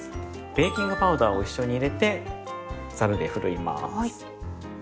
ベーキングパウダーを一緒に入れてざるでふるいます。